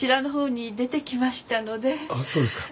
あっそうですか。